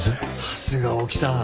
さすが大木さん。